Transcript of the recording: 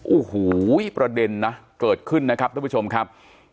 โอ้โหประเด็นนะเกิดขึ้นนะครับทุกผู้ชมครับ